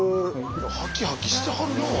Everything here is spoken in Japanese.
ハキハキしてはるなあ。